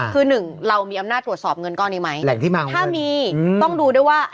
คือหนึ่งเรามีอำนาจตรวจสอบเงินก้อนนี้ไหมแหล่งที่เมาถ้ามีต้องดูด้วยว่า